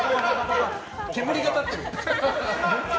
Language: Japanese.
煙が立っている。